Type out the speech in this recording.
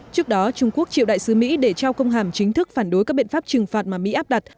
trước đó trung quốc triệu đại sứ mỹ để trao công hàm chính thức phản đối các biện pháp trừng phạt mà mỹ áp đặt